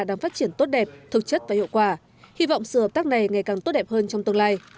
đang phát triển tốt đẹp thực chất và hiệu quả hy vọng sự hợp tác này ngày càng tốt đẹp hơn trong tương lai